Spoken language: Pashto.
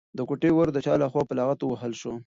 د کوټې ور د چا لخوا په لغته ووهل شو؟